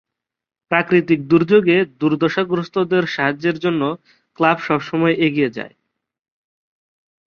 প্রাকৃতিক দুর্যোগে দুর্দশাগ্রস্তদের সাহায্যের জন্য ক্লাব সবসময় এগিয়ে যায়।